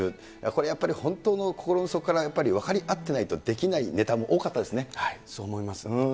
これやっぱり、本当の心の底からやっぱり分かり合ってないとできないねたも多かそう思います。